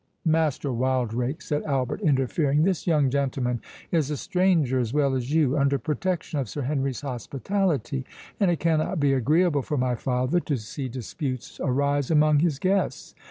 "Master Wildrake," said Albert, interfering, "this young gentleman is a stranger as well as you, under protection of Sir Henry's hospitality, and it cannot be agreeable for my father to see disputes arise among his guests.